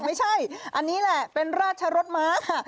ไม่ใช่อันนี้แหละเป็นราชรสม้าค่ะ